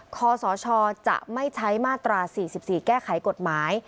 คศจะไม่ใช้มาตรา๔๔แก้ไขกฎหมาย